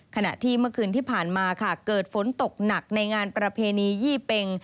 ขณะที่เมื่อคืนที่ผ่านมาค่ะเกิดฝนตกหนักในงานประเพณียี่เป็ง